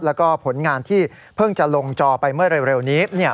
แล้วก็ผลงานที่เพิ่งจะลงจอไปเมื่อเร็วนี้